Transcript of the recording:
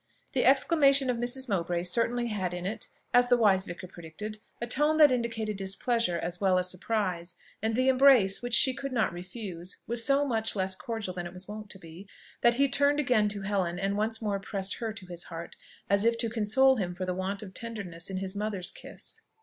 The exclamation of Mrs. Mowbray certainly had in it, as the wise vicar predicted, a tone that indicated displeasure as well as surprise; and the embrace, which she could not refuse, was so much less cordial than it was wont to be, that he turned again to Helen, and once more pressed her to his heart, as if to console him for the want of tenderness in his mother's kiss.